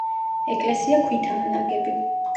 ეკლესია ქვითაა ნაგები.